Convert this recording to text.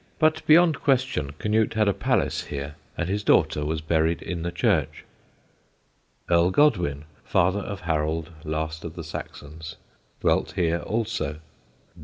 But beyond question Canute had a palace here, and his daughter was buried in the church. [Sidenote: A COSTLY PUN] Earl Godwin, father of Harold, last of the Saxons, dwelt here also.